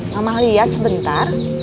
mama liat sebentar